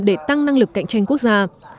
để tăng năng lực cạnh tranh quốc gia